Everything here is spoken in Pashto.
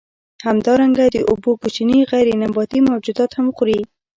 همدارنګه د اوبو کوچني غیر نباتي موجودات هم خوري.